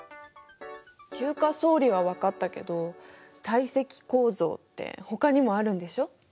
級化層理は分かったけど堆積構造ってほかにもあるんでしょ？